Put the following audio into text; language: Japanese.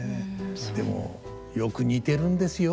でもよく似てるんですよ